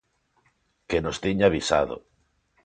Que nos tiña avisado.